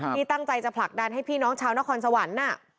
ที่ตั้งใจจะผลักดันให้พี่น้องชาวนครสวรรค์